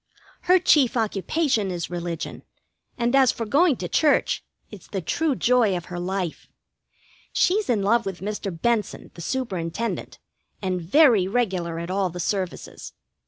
Her chief occupation is religion, and as for going to church, it's the true joy of her life. She's in love with Mr. Benson, the Superintendent, and very regular at all the services.